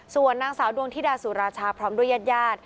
ส่วนนางสาวดวงธิดาสุราชาพร้อมด้วยญาติญาติ